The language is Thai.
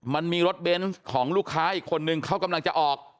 มันมีรถเบนส์ของลูกค้าอีกคนนึงเขากำลังจะออก